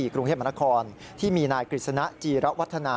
กรุงเทพมนครที่มีนายกฤษณะจีระวัฒนา